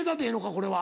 これは。